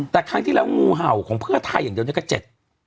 แต่ทางที่แล้วงูเห่าของเพื่อไทยอย่างเดียวก็๗